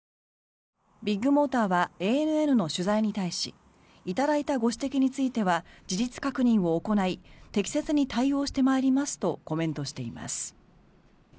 ビッグモーターはＡＮＮの取材に対し頂いたご指摘については事実確認を行い適切に対応してまいりますとコメントしています。